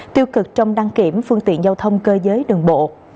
tiêu cực trong đăng kiểm phương tiện giao thông cơ giới đường bộ